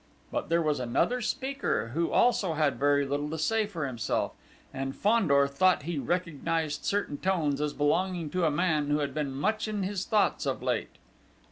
But there was another speaker, who also had very little to say for himself; and Fandor thought he recognised certain tones as belonging to a man who had been much in his thoughts of late.